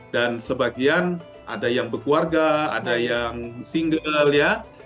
dan sebagian ada yang berkeluarga ada yang single ya